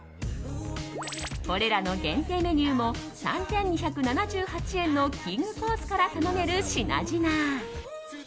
これらの限定メニューも３２７８円のきんぐコースから頼める品々。